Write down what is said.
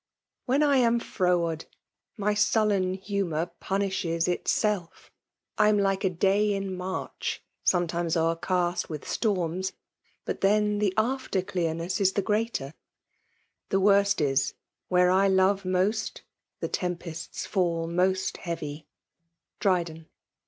Wben I am froward, My sullen humour punuhes itself. Fm like • dsgr m liaidiy eoantuiies o^nont With stonns, but then the after clearness is He greater.— The worst ts, where I lore most The tempests &U most heavy. Drtdxn.